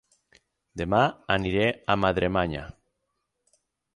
Dema aniré a Madremanya